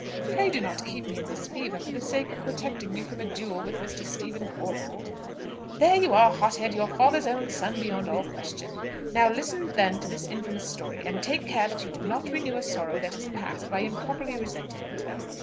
Pray do not keep me in this fever for the sake of protecting me from a duel with Mr. Stephen Corbold." "There you are, hot head, your father's own son beyond all question. Now listen then to this infamous story, and take care that you do not renew a sorrow that is past, by improperly resenting it."